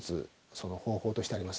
その方法としてあります